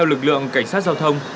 theo lực lượng cảnh sát giao thông